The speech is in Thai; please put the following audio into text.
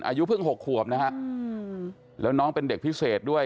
อายุเพิ่ง๖ขวบนะฮะแล้วน้องเป็นเด็กพิเศษด้วย